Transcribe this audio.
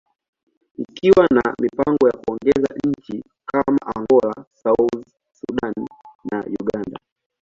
ikiwa na mipango ya kuongeza nchi kama Angola, South Sudan, and Uganda.